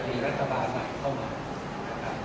มีรัฐบาลใหม่เข้ามา